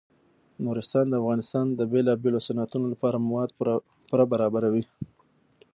نورستان د افغانستان د بیلابیلو صنعتونو لپاره مواد پوره برابروي.